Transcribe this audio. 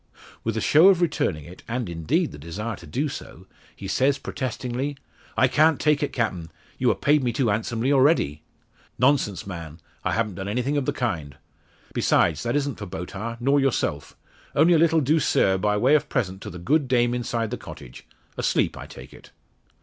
With a show of returning it, and, indeed, the desire to do so, he says protestingly "I can't take it, Captain. You ha' paid me too handsome, arredy." "Nonsense, man! I haven't done anything of the kind. Besides, that isn't for boat hire, nor yourself; only a little douceur, by way of present to the good dame inside the cottage asleep, I take it."